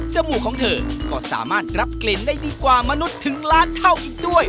มูกของเธอก็สามารถรับกลิ่นได้ดีกว่ามนุษย์ถึงล้านเท่าอีกด้วย